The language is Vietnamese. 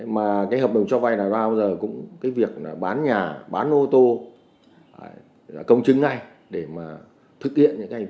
mà hợp đồng cho vai là bao giờ cũng việc bán nhà bán ô tô công chứng ngay để thực hiện